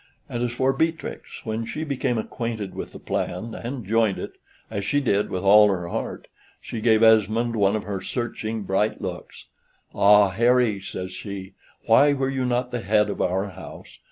And as for Beatrix, when she became acquainted with the plan, and joined it, as she did with all her heart, she gave Esmond one of her searching bright looks. "Ah, Harry," says she, "why were you not the head of our house?